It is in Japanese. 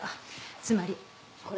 つまりこれ。